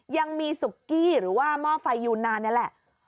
ยังมีสุกี้หรือว่าหม้อไฟยูนานนี่แหละ